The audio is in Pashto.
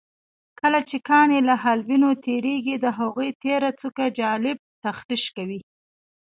کله چې کاڼي له حالبینو تېرېږي د هغوی تېره څوکه حالب تخریش کوي.